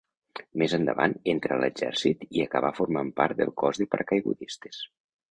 Més endavant entrà a l'exèrcit i acabà formant part del cos de paracaigudistes.